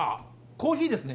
コーヒーですね？